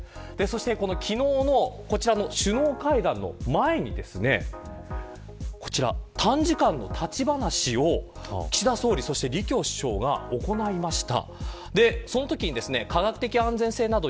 昨日の首脳会談の前に短時間の立ち話を岸田総理そして李強首相が行いました。